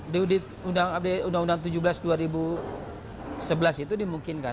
di undang undang tujuh belas dua ribu sebelas itu dimungkinkan